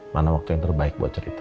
mana waktu yang terbaik buat cerita